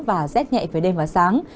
và rét nhẹ về đêm và sáng